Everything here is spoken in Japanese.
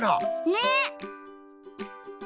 ねっ！